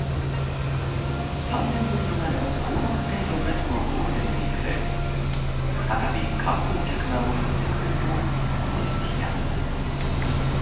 ３年ぶりとなる行動制限なしのゴールデンウイークで再び観光客が戻ってくると思いきや。